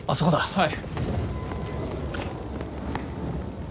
はい。